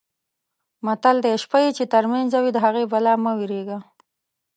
متل دی: شپه یې چې ترمنځه وي د هغې بلا نه مه وېرېږه.